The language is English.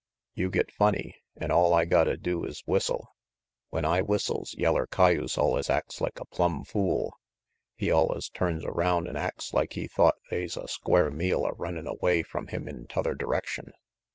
You get funny, an' all I gotta do is whistle. When I whistles, yeller cayuse allus acts like a plumb fool. He allus turns around an' acts like he thought they's a square meal a runnin' away from him in t'other direction.